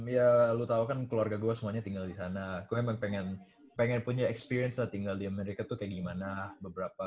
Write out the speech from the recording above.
ya lu tau kan keluarga gua semuanya tinggal di sana gua emang pengen punya experience lah tinggal di amerika tuh kayak gimana